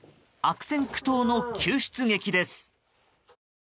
悪戦苦闘の救出劇です。